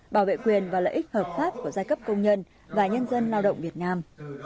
bảo vệ quyền và lợi ích hợp pháp của giai cấp công nhân và nhân dân lao động việt nam